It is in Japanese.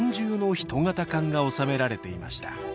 棺が納められていました